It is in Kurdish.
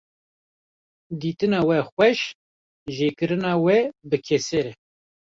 Dîtina wê xweş, jêkirina wê bi keser e